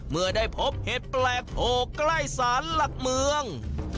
เมื่อได้พบเห็ดแปลกโผล่ใกล้ศาลหลักเมือง